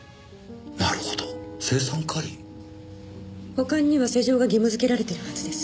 保管には施錠が義務づけられているはずです。